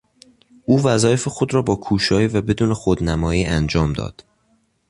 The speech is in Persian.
او وظایف خود را با کوشایی و بدون خودنمایی انجام داد.